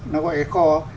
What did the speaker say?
nó gọi là kho